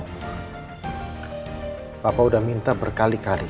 papa udah minta berkali kali